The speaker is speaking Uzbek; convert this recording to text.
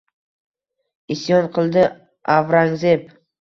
Isyon qildi Avrangzeb.